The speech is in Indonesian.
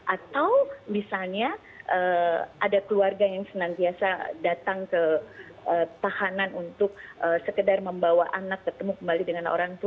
atau misalnya ada keluarga yang senantiasa datang ke tahanan untuk sekedar membawa anak ketemu kembali dengan orang tua